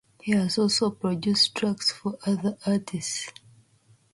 He has also produced tracks for other artists.